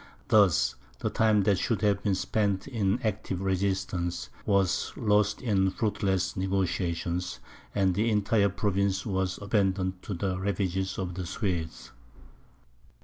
Thus, the time that should have been spent in active resistance, was lost in fruitless negociation, and the entire province was abandoned to the ravages of the Swedes.